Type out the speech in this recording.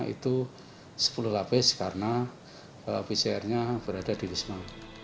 itu sepuluh lapis karena pcr nya berada di wisma